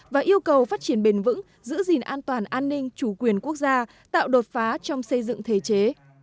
và yêu cầu phát triển bền vững giữ gìn an toàn an ninh chủ quyền quốc gia tạo đột phá trong xây dựng thể chế